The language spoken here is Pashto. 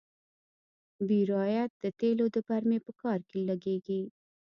بیرایت د تیلو د برمې په کار کې لګیږي.